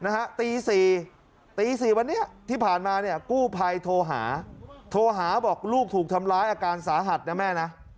ตีสี่ตีสี่วันนี้ที่ผ่านมาเนี่ยกู้ภัยโทรหาโทรหาบอกลูกถูกทำร้ายอาการสาหัสนะแม่นะ